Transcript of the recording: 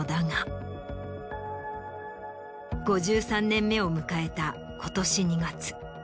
５３年目を迎えた今年２月。